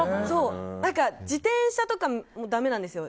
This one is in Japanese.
自転車とかもだめなんですよ。